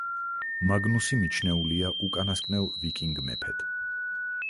მაგნუსი მიჩნეულია უკანასკნელ ვიკინგ მეფედ.